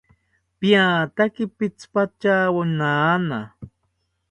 Piataki pitzipatawo nana